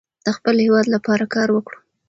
د خپل هیواد لپاره کار وکړو.